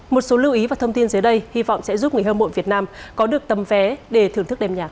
một số lưu ý và thông tin dưới đây hy vọng sẽ giúp người hâm mộ việt nam có được tấm vé để thưởng thức đêm nhạc